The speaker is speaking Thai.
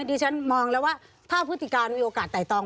มีความรู้สึกว่ามีความรู้สึกว่ามีความรู้สึกว่า